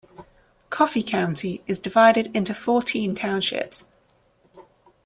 Coffey County is divided into fourteen townships.